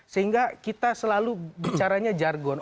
sehingga kita selalu bicaranya jargon